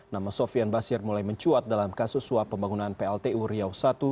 nama sofian basir mulai mencuat dalam kasus suap pembangunan pltu riau i